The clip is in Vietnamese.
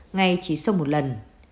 ngay chỉ sông một lần